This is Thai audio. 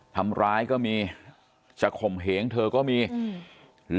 ทำร้ายก็มีจะข่มเหงเธอก็มีอืม